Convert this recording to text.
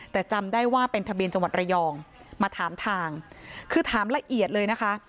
แต่จำได้ว่าเป็นทะเบียนจังหวัดระยองมาถามทางคือถามละเอียดเลยนะคะ